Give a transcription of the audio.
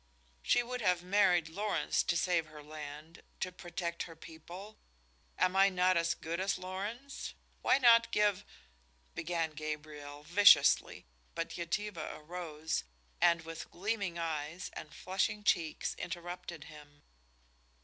"She would have married Lorenz to save her land, to protect her people. Am I not as good as Lorenz? Why not give " began Gabriel, viciously, but Yetive arose, and, with gleaming eyes and flushing cheeks, interrupted him.